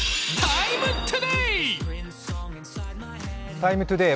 「ＴＩＭＥ，ＴＯＤＡＹ」